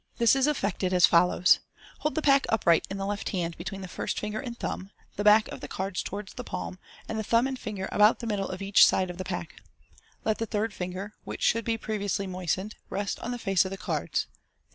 This is effected as follows •— Hold the pack upright in the left hand between the first finger and thumb, the back of the cards towards the palm, and the thumb and finger about the middle of each side of the pack Let the third finger, which should be previously moistened, rest on the face of the cards.